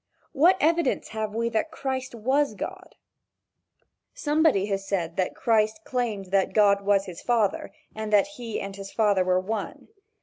What evidence have we that Christ was God? Somebody has said that Christ claimed that God was his father and that he and his father were one.